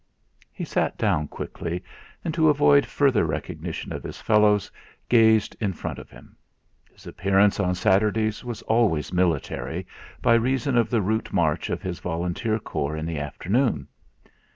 He sat down quickly, and, to avoid further recognition of his fellows, gazed in front of him. His appearance on Saturdays was always military, by reason of the route march of his Volunteer Corps in the afternoon.